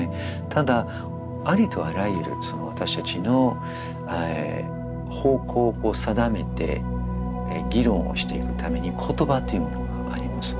ただありとあらゆる私たちの方向を定めて議論をしていくために言葉というものがあります。